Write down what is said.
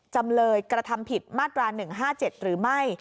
จำเลยกระทำผิดมาตรา๑๕๗หรือไม่